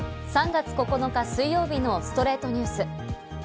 ３月９日、水曜日の『ストレイトニュース』。